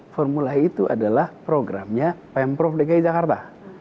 formula e itu adalah program yang diadakan oleh pemprov dki